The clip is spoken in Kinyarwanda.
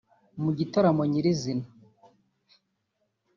Mu gitaramo nyir’izina